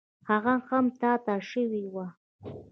هغه هم تا ته شوی و.